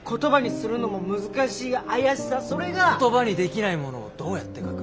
言葉にできないものをどうやって書く。